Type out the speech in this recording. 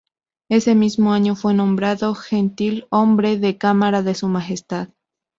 Ese mismo año fue nombrado Gentilhombre de Cámara de Su Majestad.